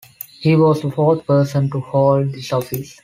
He was the fourth person to hold this office.